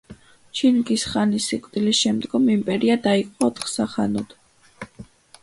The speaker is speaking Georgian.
ჩინგის ხანის სიკვდილის შემდგომ იმპერია დაიყო ოთხ სახანოდ.